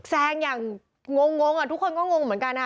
แซงอย่างงงทุกคนก็งงเหมือนกันค่ะ